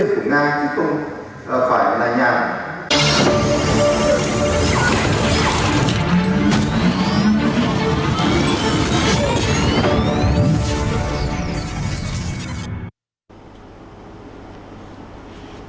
năm hai nghìn hai mươi ba phải là nhà